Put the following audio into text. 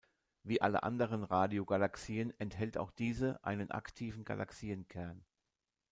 Wie alle anderen Radiogalaxien enthält auch diese einen Aktiven Galaxienkern.